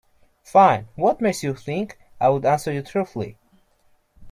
Fine, what makes you think I'd answer you truthfully?